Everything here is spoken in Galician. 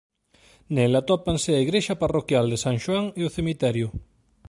Nel atópanse a igrexa parroquial de San Xoán e o cemiterio.